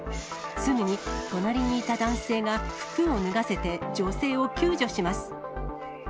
すぐに隣にいた男性が服を脱がせて、女性を救助します。